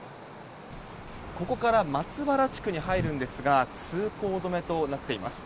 ここから松原地区に入るんですが通行止めとなっています。